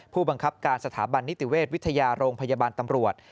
ผู้บังคับการสถาบันนิติเวชวิทยาโรงพยาบาลตำรวจ